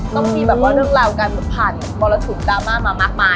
ต้องมีแบบว่าเรื่องราวการผ่านมรสุมดราม่ามามากมาย